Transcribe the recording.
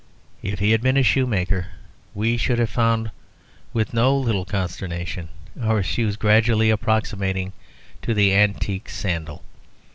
If he had been a shoemaker, we should have found, with no little consternation, our shoes gradually approximating to the antique sandal.